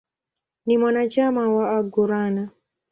Ni mwanachama wa "Aguaruna".